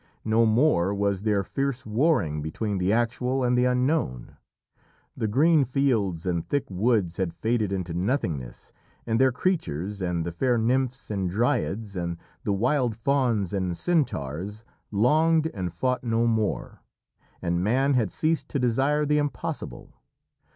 No more was there fierce warring between the actual and the unknown. The green fields and thick woods had faded into nothingness, and their creatures, and the fair nymphs and dryads, and the wild fauns and centaurs longed and fought no more, and man had ceased to desire the impossible.